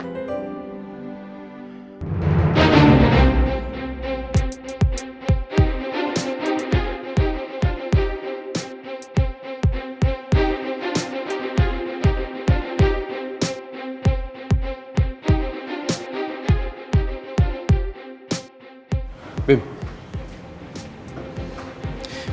mereka mah anusik